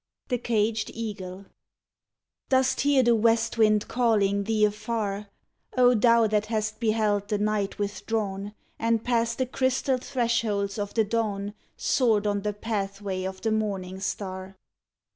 THE CAGED EAGLE Dost hear the west wind calling thee afar, O thou that hast beheld the night withdrawn, And past the crystal thresholds of the dawn Soared on the pathway of the morning star?